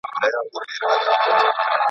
دوی نورو ته مشورې ورکوي.